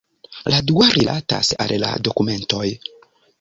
La dua rilatas al la dokumentoj.